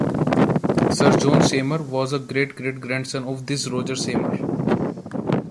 Sir John Seymour, was a great-great-grandson of this Roger Seymour.